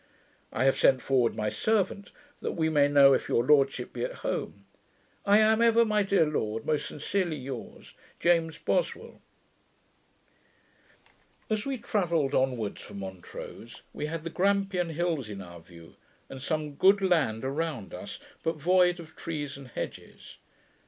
I have sent forward my servant, that we may know if your lordship be at home. I am ever, my dear lord, Most sincerely yours, James Boswell. As we travelled onwards from Montrose, we had the Grampion hills in our view, and some good land around us, but void of trees and hedges.